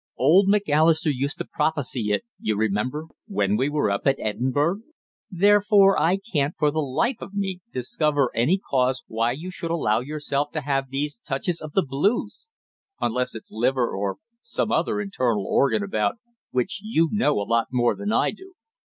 Old Macalister used to prophesy it, you remember, when we were up at Edinburgh. Therefore, I can't, for the life of me, discover any cause why you should allow yourself to have these touches of the blues unless it's liver, or some other internal organ about which you know a lot more than I do.